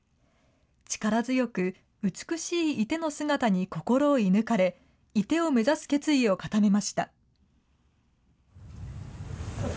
力強く、美しい射手の姿に心を射抜かれ、射手を目指す決意を固めました。